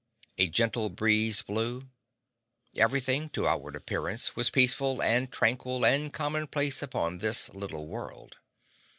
A gentle breeze blew. Everything, to outward appearance, was peaceful and tranquil and commonplace upon this small world.